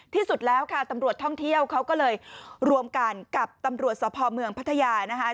ที่สุดแล้วค่ะตำรวจท่องเที่ยวเขาก็เลยรวมกันกับตำรวจสพเมืองพัทยานะคะ